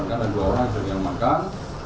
ada dua orang yang sudah diamankan